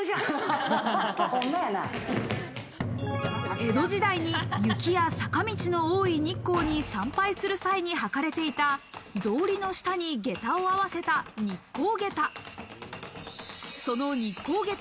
江戸時代に雪や坂道の多い日光に参拝する際に履かれていた、草履の下に下駄を合わせた日光下駄。